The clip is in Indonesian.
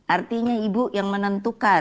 artinya ibu yang menentukan